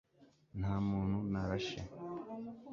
nta muntu narashe